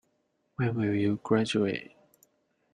When will you graduate?